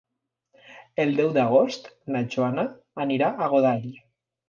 El deu d'agost na Joana anirà a Godall.